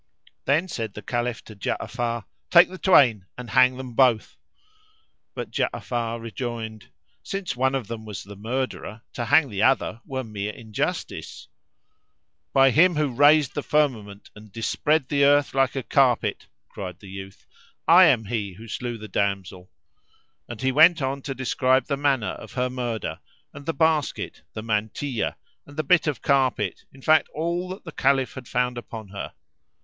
Then said the Caliph to Ja'afar, "Take the twain and hang them both;" but Ja'afar rejoined, "Since one of them was the murderer, to hang the other were mere injustice."[FN#357] "By Him who raised the firmament and dispread the earth like a carpet," cried the youth, "I am he who slew the damsel;" and he went on to describe the manner of her murder and the basket, the mantilla and the bit of carpet, in fact all that the Caliph had found upon her.